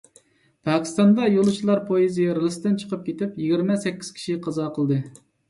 پاكىستاندا يولۇچىلار پويىزى رېلىستىن چىقىپ كېتىپ، يىگىرمە سەككىز كىشى قازا قىلدى.